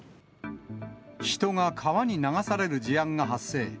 人が川に流される事案が発生。